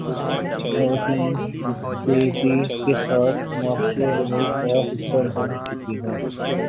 خواتین تیزی کے ساتھ معاشی عمل کا حصہ بن چکی ہیں۔